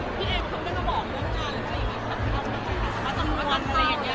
พี่เอ็มเค้าเป็นระบองโรงงานหรือเปลี่ยนไงครับ